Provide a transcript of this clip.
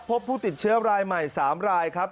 พบผู้ติดเชื้อรายใหม่๓รายครับ